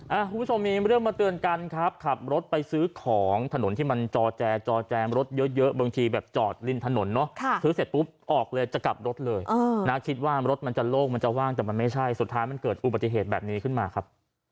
คุณผู้ชมมีเรื่องมาเตือนกันครับขับรถไปซื้อของถนนที่มันจอแจจอแจรถเยอะเยอะบางทีแบบจอดริมถนนเนอะค่ะซื้อเสร็จปุ๊บออกเลยจะกลับรถเลยเออนะคิดว่ารถมันจะโล่งมันจะว่างแต่มันไม่ใช่สุดท้ายมันเกิดอุบัติเหตุแบบนี้ขึ้นมาครับ